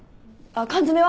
缶詰は？